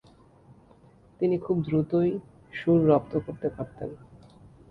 তিনি খুব দ্রুতই সুর রপ্ত করতে পারতেন।